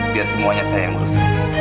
biar semuanya saya yang ngurusin